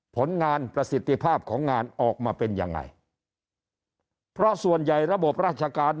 ผลงานประสิทธิภาพของงานออกมาเป็นยังไงเพราะส่วนใหญ่ระบบราชการ